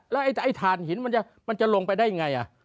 แล้วไอ้ถ่านหินมันจะลงไปได้ยังไง